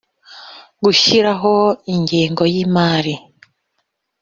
gushyiraho ingengo y imari